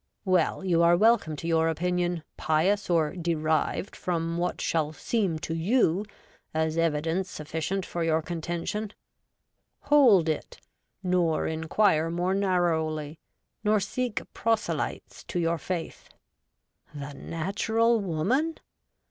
Well, you are welcome to your opinion, pious, or derived from what shall seem to you as evidence sufficient for your contention. Hold it, nor inquire more narrowly, nor seek proselytes to your faith. The natural woman